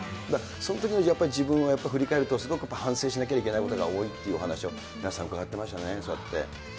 そういうときの自分をやっぱり振り返ると、すごく反省しなきゃいけないことが多いと、皆さん伺ってましたね、そうやって。